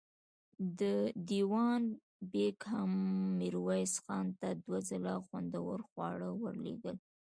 دېوان بېګ هم ميرويس خان ته دوه ځله خوندور خواړه ور لېږل.